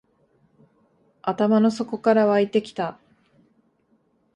頭の底から湧いてきた